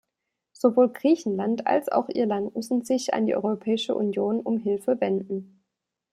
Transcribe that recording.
Sowohl Griechenland als auch Irland mussten sich an die Europäische Union um Hilfe wenden.